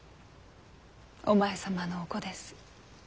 お前様のお子です。